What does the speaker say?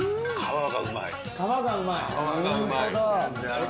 皮がうまい？